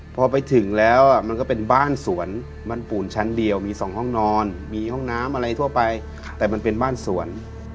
พอไปถึงแล้วมันก็เป็นบ้านสวน